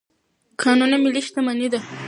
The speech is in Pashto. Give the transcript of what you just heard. کانونه ملي شتمني ده.